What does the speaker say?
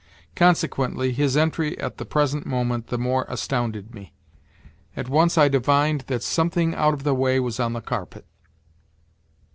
Consequently, his entry at the present moment the more astounded me. At once I divined that something out of the way was on the carpet.